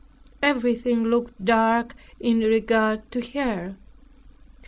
Everything looked dark in regard to her.